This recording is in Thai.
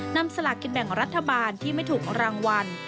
สลากินแบ่งรัฐบาลที่ไม่ถูกรางวัล